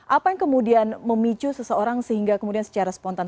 apa yang kemudian memicu seseorang sehingga kemudian secara spontan